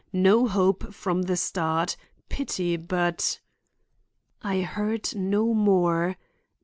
No hope from the start. Pity, but—" I heard no more.